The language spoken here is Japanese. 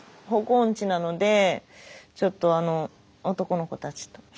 方向音痴なのでちょっとあの男の子たちと。